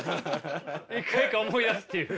一回一回思い出すっていう。